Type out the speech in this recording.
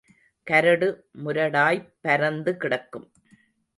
கரடு முரடாய்ப் பரந்து கிடக்கும்.